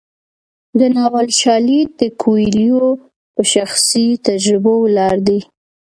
د ناول شالید د کویلیو په شخصي تجربو ولاړ دی.